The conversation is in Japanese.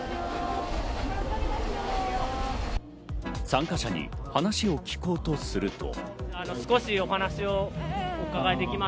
参加者に話を聞こうとすると。